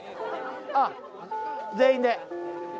あぁ全員で。